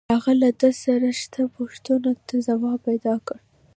هغه له ده سره شته پوښتنو ته ځواب پیدا کړ